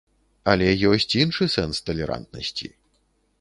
Але ёсць іншы сэнс талерантнасці.